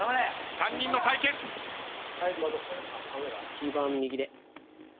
一番右で。